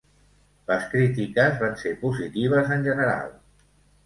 Les crítiques van ser positives en general.